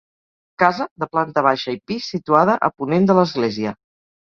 Casa de planta baixa i pis situada a ponent de l'església.